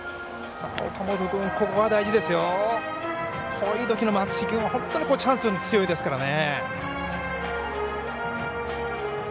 こういうときの松井君は本当にチャンスに強いですからね。